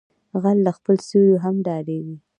غل له خپل سيوري هم ډاریږي